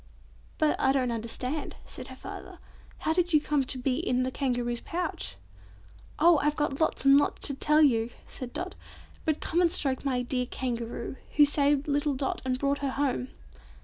"But I don't understand," said her father. "How did you come to be in the Kangaroo's pouch?" "Oh! I've got lots and lots to tell you!" said Dot; "but come and stroke dear Kangaroo, who saved little Dot and brought her home."